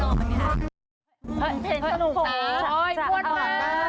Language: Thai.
เผ็ดของจอหยพวดมา